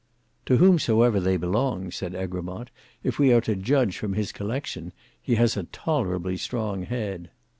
"To whomsoever they belong," said Egremont, "if we are to judge from his collection, he has a tolerably strong head."